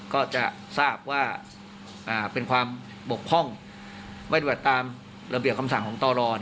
ก็จะทราบว่าเป็นความบกพร่องปฏิบัติตามระเบียบคำสั่งของตร